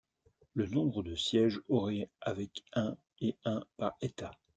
Le nombre de sièges aurait avec un et un par État.